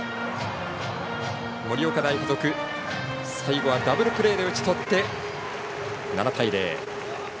盛岡大付属、最後はダブルプレーで打ち取って７対０。